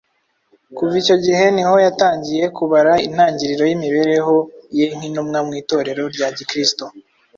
Kuva icyo gihe niho yatangiye kubara intangiriro y’imibereho ye nk’intumwa mu Itorero rya Gikristo.